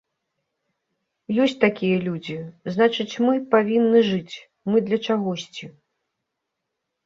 Ёсць такія людзі, значыць мы павінны жыць, мы для чагосьці.